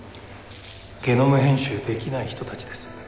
ゲノム編集できない人たちです。